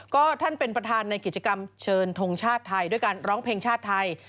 ก็ท่านเป็นประธานในกิจกรรมเชิญทงชาติไทยด้วยการร้องเพลงชาติไทย